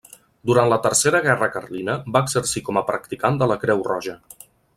Durant la tercera guerra carlina va exercir com a practicant de la Creu Roja.